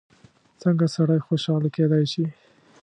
څنګه سړی خوشحاله کېدای شي؟